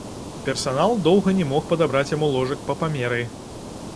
Персанал доўга не мог падабраць яму ложак па памеры.